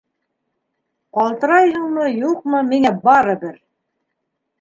Ҡалтырайһыңмы, юҡмы, миңә барыбер!